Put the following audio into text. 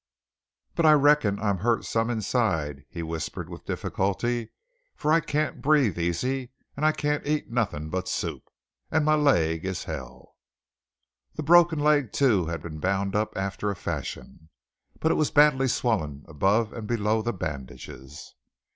"But I reckon I'm hurt some inside," he whispered with difficulty, "for I can't breathe easy; and I can't eat nothin' but soup. And my leg is hell." The broken leg too had been bound up after a fashion, but it was badly swollen above and below the bandages.